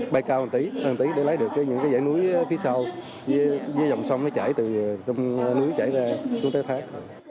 bay cao hơn tí hơn tí để lái được những cái dải núi phía sau dưới dòng sông nó chảy từ trong núi chảy ra xuống tới thác